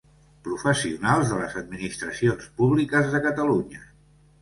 Professionals de les administracions públiques de Catalunya.